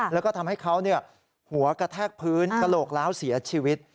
แล้วก็ทำให้เขาหัวกระแทกพื้นกระโหลกล้าวเสียชีวิต